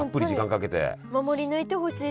守り抜いてほしい。